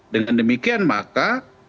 dengan demikian maka